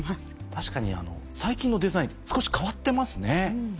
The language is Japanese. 確かに最近のデザイン少し変わってますね。